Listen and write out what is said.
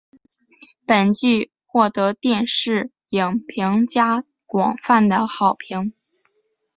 本剧获得电视影评家广泛的好评。